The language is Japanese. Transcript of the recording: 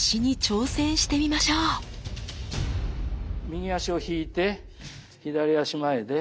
右足を引いて左足前で。